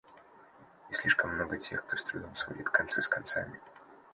И слишком много тех, кто с трудом сводит концы с концами.